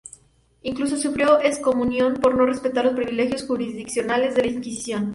Incluso, sufrió excomunión por no respetar los privilegios jurisdiccionales de la Inquisición.